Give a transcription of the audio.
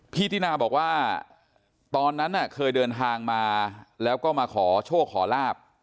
พี่ตินาบอกว่าตอนนั้นเคยเดินทางมาแล้วก็มาขอโชคขอลาบ